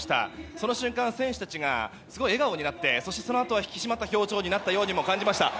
その瞬間、選手たちがすごい笑顔になってそのあとは引き締まった表情になっているようにも感じました。